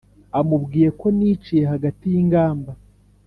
Amubwiye ko niciye hagati y'ingamba,